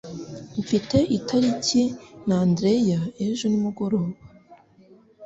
Mfite itariki na Andrea ejo nimugoroba